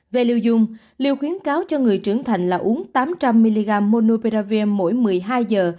về lưu dùng lưu khuyến cáo cho người trưởng thành là uống tám trăm linh mg monopiravir mỗi một mươi hai giờ